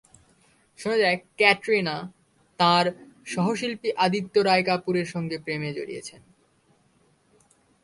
শোনা যায়, ক্যাটরিনা তাঁর সহশিল্পী আদিত্য রায় কাপুর সঙ্গে প্রেমে জড়িয়েছেন।